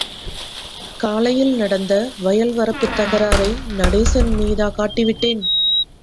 காலையில் நடந்த வயல் வரப்புத் தகராறை நடேசன் மீதா காட்டி விட்டேன்?